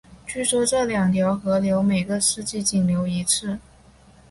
据说这两条河流每个世纪仅流一次。